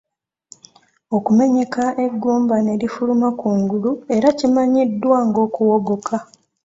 Okumenyeka eggumba ne lifuluma ku ngulu era kimanyiddwa ng'okuwogoka.